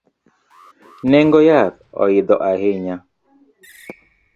Nengo yath oidho ahinya